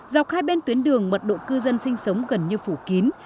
dọc hai bên tuyến đường mật độ cư dân sinh sống gần như phủ kín